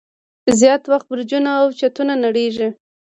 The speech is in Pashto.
زیات وخت برجونه او چتونه نړیږي.